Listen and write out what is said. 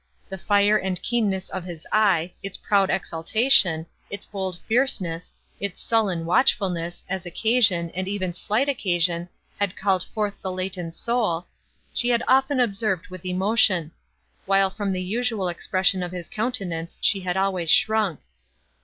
The fire and keenness of his eye, its proud exultation, its bold fierceness, its sullen watchfulness, as occasion, and even slight occasion, had called forth the latent soul, she had often observed with emotion; while from the usual expression of his countenance she had always shrunk.